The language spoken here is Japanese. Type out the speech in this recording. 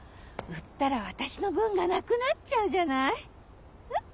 売ったら私の分がなくなっちゃうじゃない。